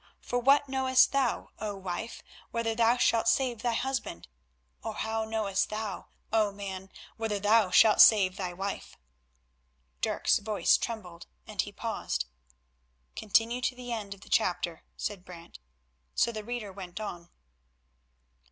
For what knowest thou, O wife, whether thou shalt save thy husband? or how knowest thou, O man, whether thou shalt save thy wife?" Dirk's voice trembled, and he paused. "Continue to the end of the chapter," said Brant, so the reader went on.